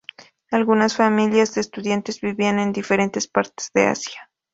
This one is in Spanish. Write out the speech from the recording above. Algunas familias de estudiantes vivían en diferentes partes de Asia.